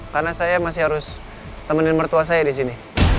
karena saya masih harus temenin mertua saya disini